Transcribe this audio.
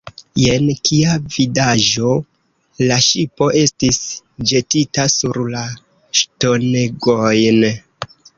Jen, kia vidaĵo! La ŝipo estis ĵetita sur la ŝtonegojn.